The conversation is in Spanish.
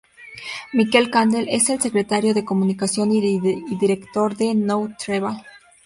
Miquel Candel es el Secretario de Comunicación y Director de Nou Treball.